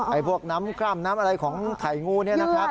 พวกน้ำกร่ำน้ำอะไรของไข่งูนี่นะครับ